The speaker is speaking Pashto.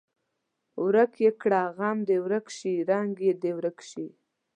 ورک یې کړه غم دې ورک شي رنګ دې یې ورک شي.